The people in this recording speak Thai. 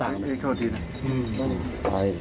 พระต่ายสวดมนต์